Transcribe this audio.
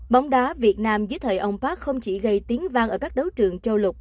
bóng đá việt nam dưới thời ông park không chỉ gây tiếng vang ở các đấu trường châu lục